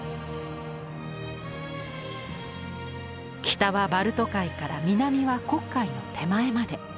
北はバルト海から南は黒海の手前まで。